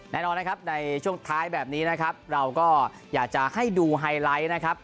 แน่นอนนะครับในช่วงท้ายแบบนี้นะครับเราก็อยากจะให้ดูไฮไลท์นะครับ